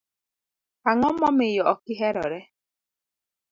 Ang'o momiyo ok gi herore?